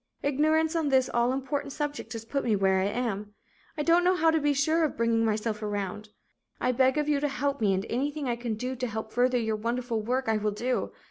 Ignorance on this all important subject has put me where I am. I don't know how to be sure of bringing myself around. I beg of you to help me and anything I can do to help further your wonderful work I will do.